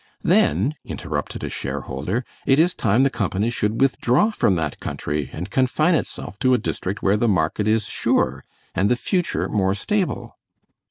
"Then," interrupted a share holder, "it is time the company should withdraw from that country and confine itself to a district where the market is sure and the future more stable."